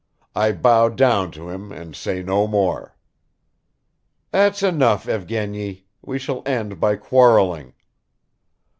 I bow down to him and say no more." "That's enough, Evgeny; we shall end by quarreling."